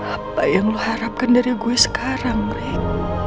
apa yang lo harapkan dari gue sekarang rek